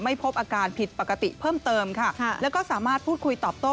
พบอาการผิดปกติเพิ่มเติมค่ะแล้วก็สามารถพูดคุยตอบโต้